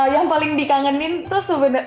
yang paling dikangenin tuh sebenarnya